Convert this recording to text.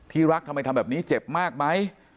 รักทำไมทำแบบนี้เจ็บมากไหม